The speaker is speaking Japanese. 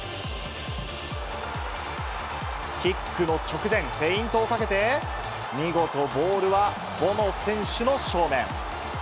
キックの直前、フェイントをかけて、見事、ボールはボノ選手の正面。